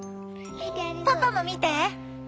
パパも見て。